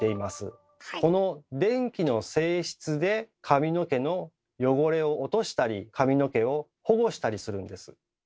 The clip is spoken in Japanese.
この電気の性質で髪の毛の汚れを落としたり髪の毛を保護したりするんです。